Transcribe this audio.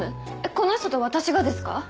この人と私がですか？